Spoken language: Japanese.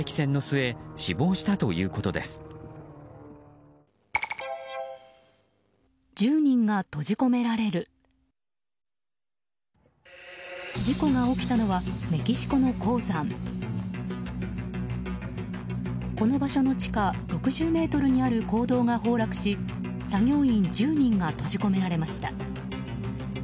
この場所の地下６０ｍにある坑道が崩落し作業員１０人が閉じ込められました。